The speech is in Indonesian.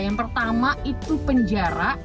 yang pertama itu penjara